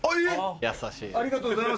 優しい。